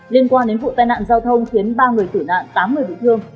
liên quan đến vụ tai nạn giao thông khiến ba người tử nạn tám người bị thương